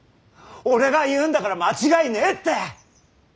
俺が言うんだから間違いねえって。